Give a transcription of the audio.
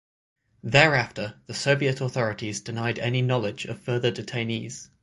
Thereafter the Soviet authorities denied any knowledge of further detainees.